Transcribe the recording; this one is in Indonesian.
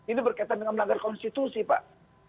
ini berkaitan dengan melanggar konstitusi pak